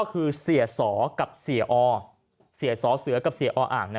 คือเสียสำกับเสียอ๋อเสียสำเสือกับเสียอ๋ออ่างนะ